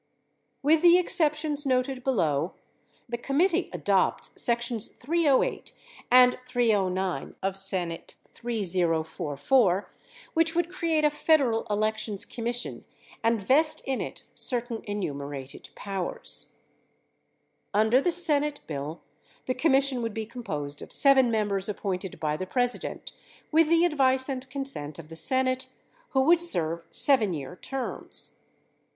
With the exceptions noted below, the committee adopts sections 308 and 309 of S. 3044 which would create a Federal Elections Commission and vest in it certain enumerated powers. Under the Senate bill, the Commission would be composed of seven members appointed by the President with the advice and consent of the Senafe who would serve 7 year terms.